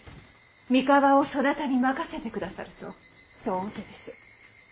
三河をそなたに任せてくださるとそう仰せです。